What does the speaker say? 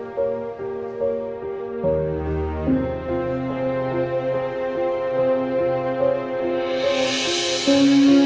sibuk banget sama urusan teror ini